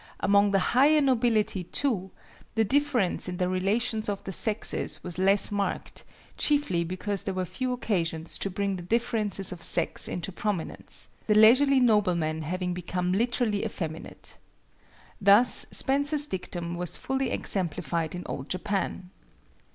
Among the higher nobility, too, the difference in the relations of the sexes was less marked, chiefly because there were few occasions to bring the differences of sex into prominence, the leisurely nobleman having become literally effeminate. Thus Spencer's dictum was fully exemplified in Old Japan.